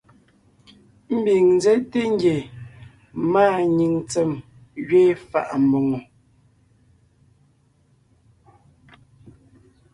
Ḿbiŋ ńzέte ngie màanyìŋ ntsém gẅiin fà’a mbòŋo.